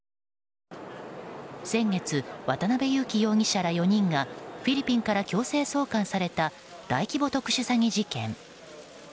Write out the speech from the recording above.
先月、渡辺優樹容疑者ら４人がフィリピンから強制送還された大規模特殊詐欺事件。